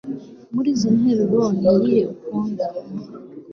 muri izi nteruro niyihe ukunda